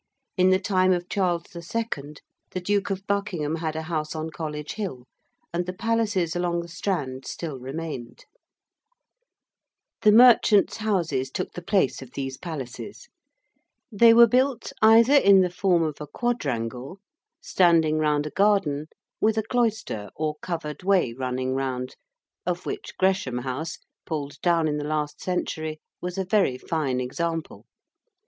In the time of Charles II., the Duke of Buckingham had a house on College Hill, and the palaces along the Strand still remained. [Illustration: THE CITY FROM SOUTHWARK.] The merchants' houses took the place of these palaces. They were built either in the form of a quadrangle, standing round a garden, with a cloister or covered way running round, of which Gresham House, pulled down in the last century, was a very fine example.